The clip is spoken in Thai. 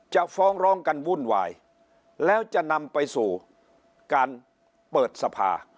ฟ้องร้องกันวุ่นวายแล้วจะนำไปสู่การเปิดสภา